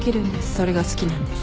それが好きなんです。